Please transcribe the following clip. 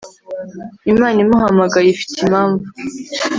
imana imuhamagaye ifite impamvu